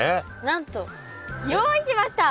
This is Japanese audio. なんと用意しました。